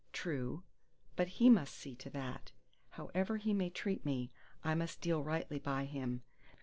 True: but he must see to that. However he may treat me, I must deal rightly by him.